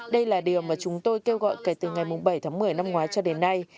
đây là điều mà chúng tôi kêu gọi kể từ ngày bảy tháng một mươi năm ngoái cho đến nay